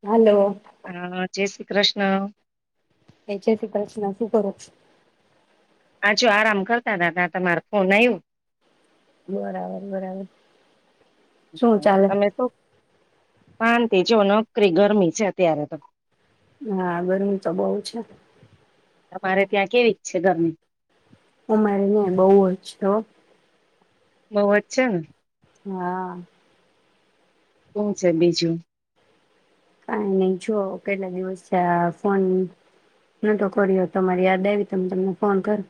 Hello. હા જય શ ક્રષ્ણ. એ જે સી ક્રષ્ન, શું કરો છો? આ જો આરામ કરતા તા, ત્યાં તમાર ફોન આય્વુ. બરાબર, બરાબર. શું ચાલે? તમે કો શાંતિ, જો નકરી ગરમી છે અત્યારે તો. હા, ગરમી તો બઉ છે. તમારે ત્યાં કેવીક છે ગરમી? અમારે ન્યાં બઉ જ છે હો. બઉ જ છે ને? હા. શું છે બીજું? કાંઈ નહી જુઓ કેટલા દિવસ થ્યા આ ફોન નતો કર્યો, તમારી યાદ આય્વી તો મેં તમને ફોન કર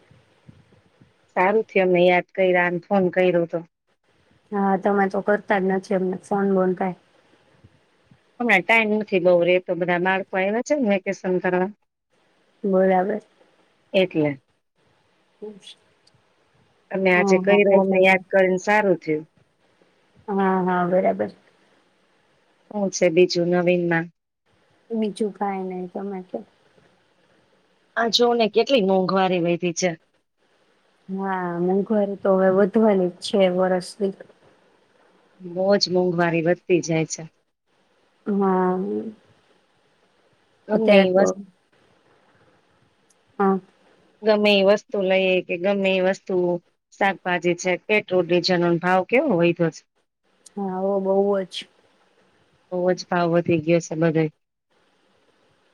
સારું છે, અમને યાદ કયરા ને ફોન કયરો તો. હા, તમે તો કરતા જ નથી અમને ફોન બોન કાંઈ. હમણા ટાઈમ નથી બઉ રેતો, બધા બાળકો આયવા છે ને વેકેશન કરવા. બરાબર. એટલે. અને આજે હા હા કઈરો એટલે અમને યાદ કરીને સારું. જે હાં હાં, બરાબર છે. હું છે બીજું નવીનમાં? બીજું કાંય નઈ તમે ક્યો. આ જોને કેટલી મોંઘવારી વયધી છે. હા મોંઘવારી તો હવે વધવાની જ છે વરષથી. બહુજ મોંઘવારી વધતી જાય છે. હા. ગમે અત્યારે એ તો હા. ગમે એ વસ્તુ લઈ એ કે ગમે એ વસ્તુ, શાકભાજી છે, પેટ્રોલ, ડીઝલ નો ભાવ કેવો વયધો છે. હા હો બવ જ. બવ જ ભાવ વધી ગયો છે બધે.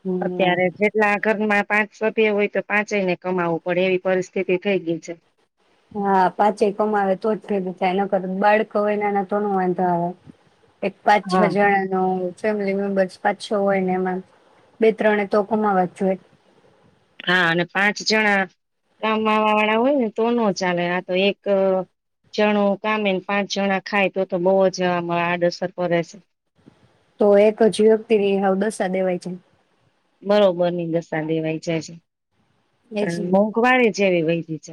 હમ અત્યારે જેટલા આ ઘરમા પાંચ સભ્ય હોય તો પાંચ જઈને કમાવવું પડે એવી પરિસ્થિતિ થઈ ગઈ છે. હા પાચે કમાવે તો જ ફયદો થાય એ નકર બાળકો હોયને એના તો ન વાંધો આવે. એક પાંચ છ હા. જણા નો ફેમિલી મેમ્બર્સ પાંચ છો હોય ને એમાં બે ત્રણે તો કુમાવા જ જોએ. હા અને પાંચ જણા કામવા વાળા હોય ને તો ન ચાલે આ તો એક જણું કામે પાંચ જણા ખાય તો તો બહુ જ આમ આડઅસર પરે છે. તો એક જ વ્યક્તિની હવ દશા દેવાય છે. બરોબરની દશા દેવાય જાય છે. એજ પણ ને મોંઘવારી જ એવી ભઈ. [unintelligible] છે?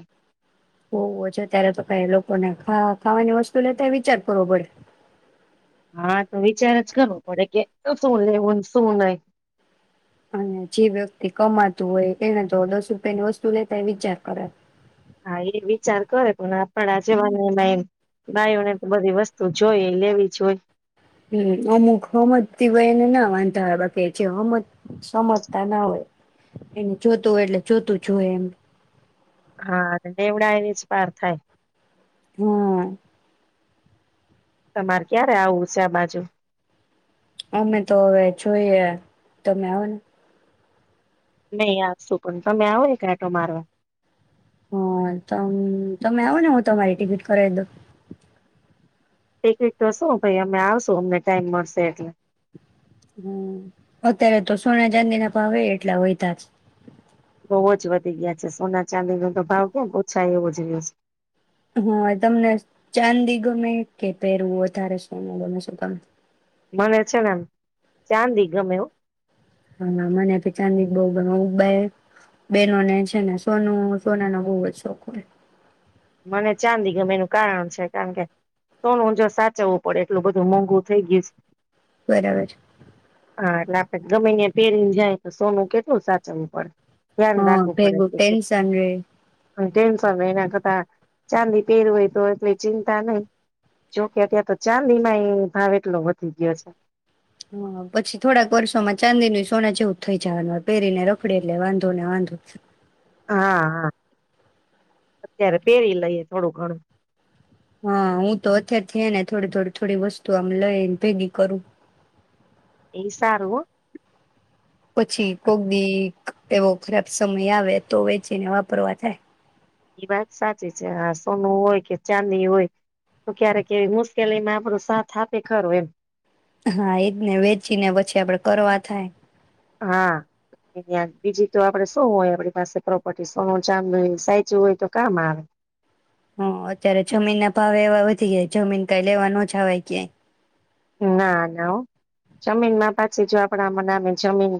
હોવો છે ત્યારે તો કઈ લોકોને ખા ખાવાની વસ્તુ લેતાય વિચાર કરવો પડે. હા તો વિચાર જ કરવો પડે કે શું લેવું શું નહી. અને જે વ્યક્તિ કમાતું હોય એને તો દસ રૂપિયાની વસ્તુ લેતા વિચાર કરે. હા એ વિચાર કરે પણ આપણા જવાની, ભાઈઓને તો બધી વસ્તુ જોઈ લેવી જો હોઈ. હમ અમુક હમજતીય એને ના વાંધા હોય બાકી જેમ સમજતા ના હોય, એને જોતું હોય એટલે જોતું જ હોય એમ. હા દેવડા એને જ પાર થાય. હમ. તમારે ક્યારે આવું છે આ બાજુ. અમે તો હવે જોઈએ તમે આવ ને. નહી આાર શું પણ તમે આવો એક રાટો મારવા. હા ત તમે આવો ને હું તમારી ટિકિટ કરાવ દઉ. એક વક તો શું ભાઈ અમે આવશું અમને ટાઈમ મળશે એટલે. હમ અત્યારે તો સોના ચાંદી ના પણાવે એટલા વધ્યા જ. બહુ જ વધી ગયા છે સોના ચાંદી ન તો ભાવ કેમ ઓછા એવો જ રહ્યો છે. હા તમને ચાંદી ગમે કે પહેરવું વધારે સુંનું ગમે છે તમે? મને છેને, એમ ચાંદી ગમેવ. હા મને ભી ચાંદી બહ બે, બેહેનોને છે ને સોનું સોના નો બહવ જ શોખ હોય. મને ચાંદી ગમે એનું કારણ છે કારણ કે સોનું જો સાચવવું પડે એટલું બધું મોંઘું થઈ ગયું છે. બરાબર. હા એટલે આપડણે ગમે યા પહેરીને જાય તો સોનું કેટલું સાચવું પડે. ધ્યાન હા બેગું ટેન્શન રેય. અન ટેન્શન એના કરતાં ચાંદી પહેર હોય તો એટલી ચિંતા નહી, જોકે તો ચાંદી માં એ ભાવ એટલો વધી ગયો છે. હ પછી થોડાક વર્ષોમાં ચાંદી ન સોના જેવું થઈ જવાનું પહેરીને રખડી એટલે વાંધો ને વાંધો. હા હા, અત્યારે પેરી લઈએ થોડું ઘણું. હા હું તો અત્યારે થઈ ને થોડી થોડી થોડી વસ્તુ આમ લઈને ભેગી કરું. એ સારું. પછી કોકી એવો ખરાબ સમય આવે તો વેચીને વાપરવા થાય. એ વાત સાચી છે હા સોનું હોય કે ચાંદની હોય તો ક્યારેક કેવી મુશ્કેલીમાં આપણો સાથ આપે ખરું એમ. હા એજ ને વેચી ને પછી આપડે કરવા થાય. હા બીજી તો આપડે શું હોય આપણી પાસે પ્રોપર્ટી સોનું જામનું સાચું હોય તો કામ આવે. હ અત્યારે જમીન ના ભાવ એવા વધી જયા જમીન કઈ લેવા ન જવાય ક્યાંય. ના નવ જમીનમાં પાછી જો આપણા મનાની જમીન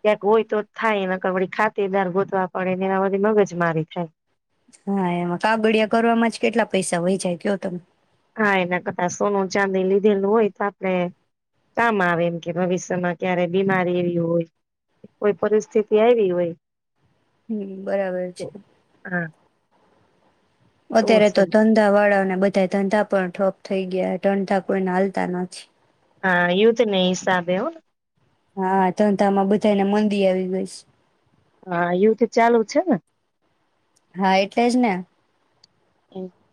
ક્યાક હોય તો થાય, નકળ ખાતેદાર ગોતવા પડે ને એ બધી મગજ મારી થાય. હા એમાં કાગડિયા કરવામાં જ કેટલા પૈસા વહી જાય કયો તમે? હા એના કરતા સોનું ચાંદી લીધેલું હોય તો આપડે કામ આવે એમ કે ભવિષ્યમાં ક્યારે બીમારી એવી હોય, કોઈ પરિસ્થિતિ આવી હોય. હમ્મ બરાબર છે. તો હા અત્યારે તો ધંધા વાળા ને બધા ધંધા પણ ઠપ થઈ ગયા ઠંડા કોઈના હાલતા નથી. હા એઇ તો નહી સાભયું. હા ધંધામાં બધાયને મંદી આવી ગઈ સ. હા યું તો ચાલુ છે ને હા એટલે જ ને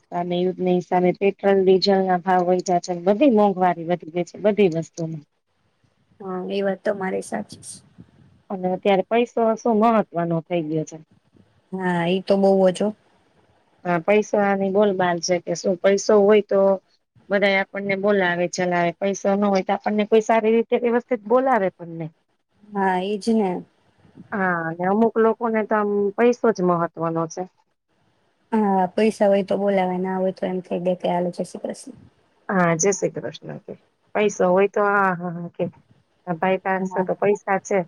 સામે યુદ્ધની સામે પેટ્રોલ ડીઝલ ના ભાવ વધ જ્યા છે, બધી મોંઘવારી વધી જઈ છે બધી વસ્તુમાં હા એ વાત તમારે સાચી છે. અત્યારે પૈસો શું મહત્વનો થઇ ગયો છે. હા એઈ તો બવ જ હ. હા પૈસા આની બોલબાલ છે કે શું, પૈસો હોય તો બધા આપણને બોલાવે ચલાવે પૈસો ન હોય તો આપણને કોઈ સારી રીતે વ્યવસ્થિત બોલાવે પણ નય. હા એજ ને. હા અને અમુક લોકોને તો આમ પૈસો જ મહત્વનો છે. હા પૈસા હોય તો બોલાવાય ના હોય તો એમ થય ગઈ કે હાલો જે શ્રી કૃષ્ણ. હા જ શ્રી કૃષ્ણ કે પૈસો હોય તો, હા હા હા કે આ ભાઈ પાસે હા તો પૈસા છે.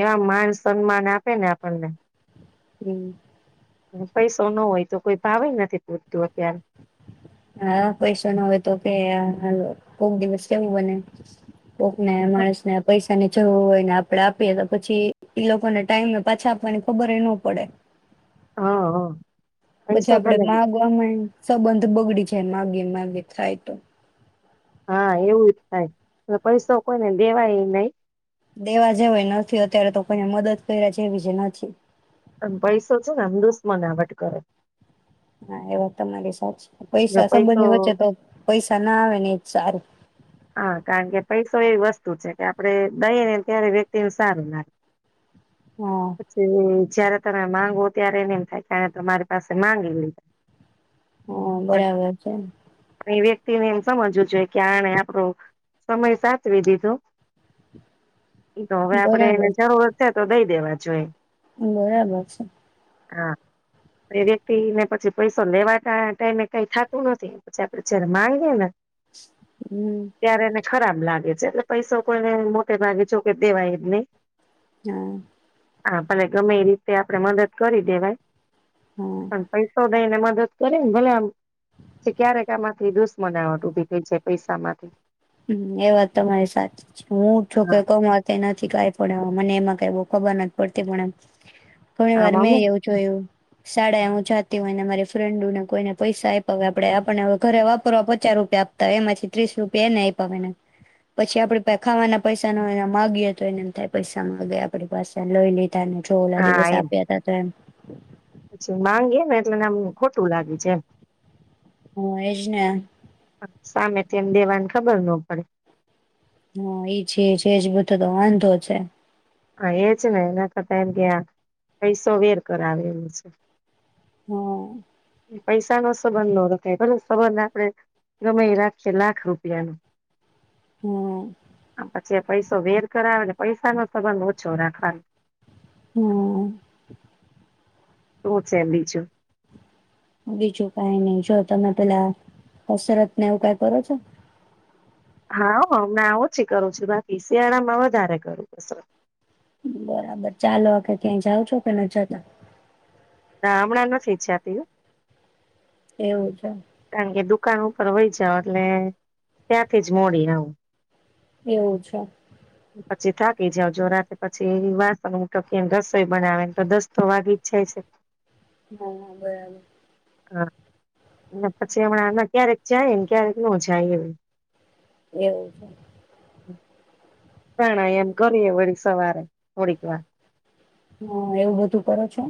એવા માન સન્માન આપે ને આપણને. હમ્મ. પૈસો ન હોય તો કોઈ ભાવે નથી પૂછતું અત્યારે. હા પૈસો ન હવે તો કે આ કોક દિવસ એવું બને કોકને માણસને પૈસા અને જોવુ હોયને આપડે આપીએ તો પછી ઈ લોકોને ટાઈમે પાછા આપવાની ખબર યે ન પડે. હા હા. પછી પૈસો આપડે ભલે માગવા મા સંબંધ બગડી જાય માંગી-માંગી થાય તો. હા એવું જ થાય તો, પૈસો કોઈને દેવાય હી નય. દેવા જેવુય નથી અત્યારે તો કોઈને મદદ કર્યા જેવી જ નથી. અને પૈસો છ ને આમ દુશ્મના વટ કરે. હા એ વાત તમારી સાચી. જો પૈસા પૈસો સંબંધની વચ્ચે તો પૈસા ના આવે ને એજ સારું. હા કારણ કે પૈસો એવી વસ્તુ છે, કે આપણે દઈ ને ત્યારે વ્યક્તિને સારું લાગે. હા પછી જ્યારે તમે માંગો ત્યારે એને એમ થાય તાં તમારી પાસે માંગી લ્યે હં, બરાબર છે. તેને એમ સમજવું જોઈએ કે આણે આપ પ્ણો સમય સાચવી દીધો. તો અવે આપડે એને બરાબર જરૂરત છે જ. તો દઈ દેવા જોએ. બરાબર છે. હા, એ વ્યક્તિને પછી પૈસો લેવાા ટાણે ટાઈમે કંઈ થાતું નથી, પછી આપડે જારે માંગીએે ને હમ ત્યારે એને ખરાબ લાગે છે એટલે પૈસો કોઈને મોટે ભાગે જો કે દેવાય જ નઈ. [inaudible] હા ભલે ગમે એ રુપિયા આપડે મદદ કરી દેવાય. હા પણ પૈસો ને એને મદદ કરી ને ભલે આમ પછી ક્યારેક આમાંથી દુશ્મનાવટ ઉભી થઈ છે. પૈસા માંથી હં એ વાત તમારી સાચી છે, હું છું કે હા કમાવતી નથ થી કાંઈ પણ એવુ મને એમાં કાંઈ બો ખબર નથ પડતી પણ એમ ઘણી આમ વાર મેં અમે એવુ જોયુ શાળા હું જાતી હોય ને મારી ફ્રેન્ડુને કોઈને પૈસા આપપાવે આપડે આપણને હવે ઘરે વાપરવા પચા રૂપિયા આપતા એમાંથી ત્રીસ રૂપિયા એને આપ તમ એને પછી આપડે ખાવાના પૈસા ન માગીએ તો એનેમ થાય પૈસા માંગે આપડી પાસે લઈ લે તમ ચોલા હા દિવસે એમ આપ્યા તા તો એમ પછી માંગીએ ને એટલે નામ ખોટું લાગી જાય. હ એજ ને સામે તેમ દેવાની ખબર નો પડે. હા એ છે છે જ બધો તો વાંધો છે. હા એજ ને એના કરતા એમ કે પૈસો વેર કરાવેલું છે. હા. પૈસા નો સંબંધ ન રખાય [unintelligible] પલો સંબંધ આપડે રમાઈ રાખીએ લાખ રૂપિયા ન હા. જે પૈસો વેર કરાવે ને પૈસા ન સર પણ બવ છોરા ખાય. હમ્મ. બવજ સેમલી છે. બીજું કઈ નહી જો તમે પેલા કસરતને એવું કઈ કરો છો? હા હમના ઓછી કરું છું, બાકી શિયાળા માં વધારે કરું કસરત. બરાબર ચાલો ખ ક્યાંય જાવ છો કે ન જતા? આ હમણાં નથી ઈછાતી હો. એવું છે. કારણ કે દુકાન ઉપર વહી જાઓ એટલે ત્યાંથી જ મોડી આવું. એવું છે. પછી થાકી જાવ જો રાતે પછી એવી વાસણ ઉમટો કેમ રસોઈ બનાવેને તો દસ્તો વાગી જ જાય છે. હા બરાબર. હા પછી હમણાં આમાં ક્યારેક જાય ને ક્યારેક ન જાય એવી. એવું છે. હ. પ્રાણાયામ એમ કરીએ વળી સવારે થોડીક વાર. હા એવું બધું કરે છો.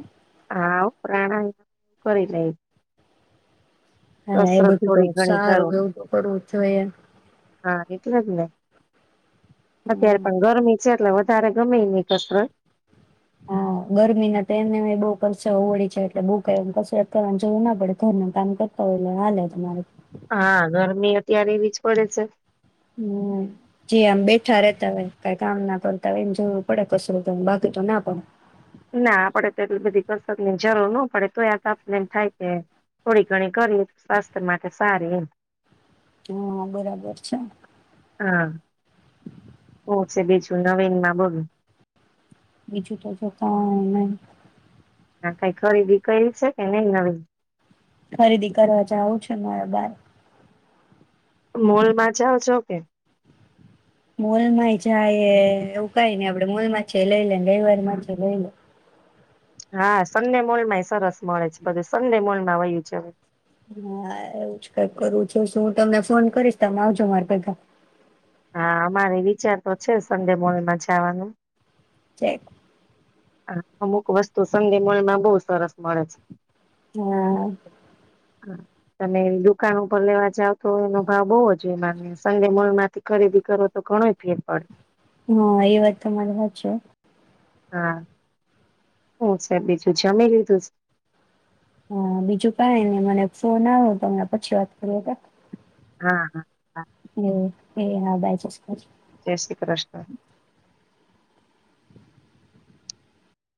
હા પ્રાણાયામું કરી લે. હા એ બધું તો ઘણી સારું કરું એવું તો કરવું. જોએ. હા એટલે જ ને. અત્યારે હમ. પણ ગરમી છે એટલે તારે ગમે નહીં કસરત. હા ગરમી ના તેમ મને બહુ પરસેવો વળડી છે એટલે બુ ક કસરત કરવાનું જોવું ના પડે ઘરનું કામ કરતા હોય એટલે હાલે તમારે. હા ગરમી અત્યારે એવી જ પડે છે. હમ જે આમ બેઠા રેતા હોય કઈ કામ ના કરતા હોય એમ જોવું પડે કશું બાકી તો ના પાડે. ના આપડે તો એટલી બધી કસરત ની જરૂર ન પડે તો આ તો આપને એમ થાય કે થોડી ઘણી કરીએ સ્વાસ્થ્ય માટે સારી એમ. હા બરાબર છે. હા. હું છે બીજું નવીન માં બોલો? બીજું તો જોતાને. હ કઈ ખરીદી કરી છે કે નહી નવી. ખરીદી કરવા જાવું છે મારા બાર. મોલમાં જાઓ છો કે? મોલમાંય જાય એવું કાય નહી આપડે મોલમાં છે લઈ લે ને ગઈ વારમાં છે લઈ લે. હા સન્ડે મોલમાં એ સરસ મળે છે બધું સન્ડે મોલ માં વયું છે હવે. હા એવું જ કઈ કરું જો હું તમને ફોન કરીશ તમે આવજો મારે પેગા. હા અમારે વિચાર તો છે સંડે મોર્નમાં જવાનું. જેક હ અમુક વસ્તુ સંંગમમાં બહુ સરસ મળે છે. હમ. હ તમે દુકાન ઉપર લેવા જાવ તો એનો ભાવ બહુ જ હોય માને સન્ડે મોલ માંથી ખરીદી કરો તો ઘણો ફેર પડે. હા એ વાત તો માનું જ છું. હા. હું સાહેબ બીજું જમી લીધું છે? હા બીજું કઈ ને મને ફોન આવ્યો તો પછી વાત કરી. હા હા. હ હ હા બાય. શ્રી કૃષ્ણ જય શ્રી કૃષ્ણ.